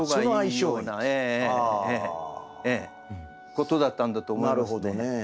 ことだったんだと思いますね。